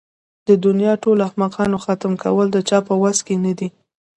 د دنيا ټول احمقان ختم کول د چا په وس کې نه ده.